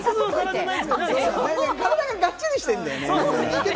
体ががっちりしてんだよね。